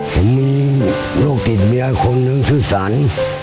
ผมมีโลกติดเมียคนหนึ่งชื่อสรร